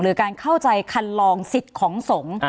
หรือการขัดลองสิทธิของสงฆ์